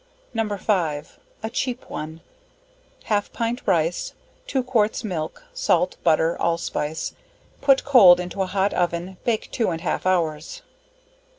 No. 5. A cheap one, half pint rice, 2 quarts milk, salt, butter, allspice, put cold into a hot oven, bake 2 and half hours.